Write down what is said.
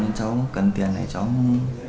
nên cháu cần tiền này cháu